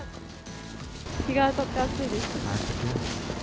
日が当たって暑いです。